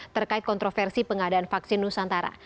terkait kontroversi pengadaan vaksin nusantara